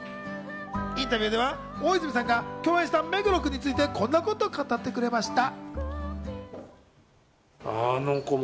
インタビューでは大泉さんが共演した目黒君について、こんなことを語ってくれました。